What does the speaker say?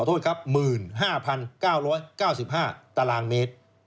๑๕๙๙๕ตารางเมตร